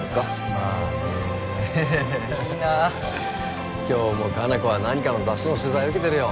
まあねいいなあ今日も果奈子は何かの雑誌の取材受けてるよ